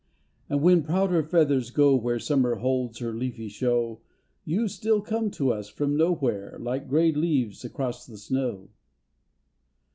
And when prouder feathers go where Summer holds her leafy show. You still come to us from nowhere Like grey leaves across the snow.